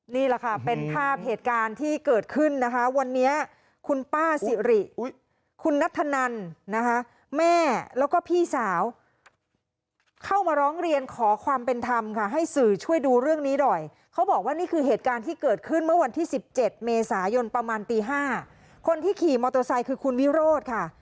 นี่แหละค่ะเป็นภาพเหตุการณ์ที่เกิดขึ้นนะคะวันนี้คุณป้าสิริคุณนัทธนันนะคะแม่แล้วก็พี่สาวเข้ามาร้องเรียนขอความเป็นธรรมค่ะให้สื่อช่วยดูเรื่องนี้หน่อยเขาบอกว่านี่คือเหตุการณ์ที่เกิดขึ้นเมื่อวันที่๑๗เมษายนประมาณตี๕คนที่ขี่มอเตอร์ไซค์คือคุณวิโรธค่ะ